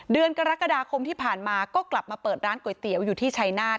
เดือนกรกฎาคมที่ผ่านมาก็กลับมาเปิดร้านก๋วยเตี๋ยวอยู่ที่ชายนาฏ